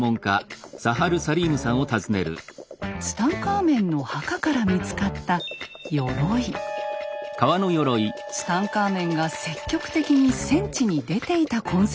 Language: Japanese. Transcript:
ツタンカーメンの墓から見つかったツタンカーメンが積極的に戦地に出ていた痕跡があったのです。